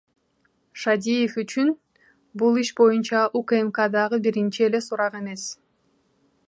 Шадиев үчүн бул иш боюнча УКМКдагы биринчи эле сурак эмес.